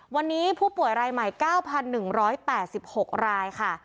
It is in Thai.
วันนี้ผู้ป่วยรายใหม่เก้าพันหนึ่งร้อยแปดสิบหกรายค่ะ